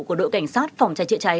của đội cảnh sát phòng trái trễ trái